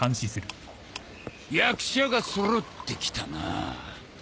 役者が揃ってきたな。